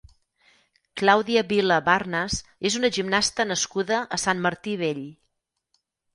Claudia Vila Barnes és una gimnasta nascuda a Sant Martí Vell.